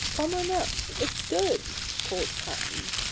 Come on up; it's good!" called Pan.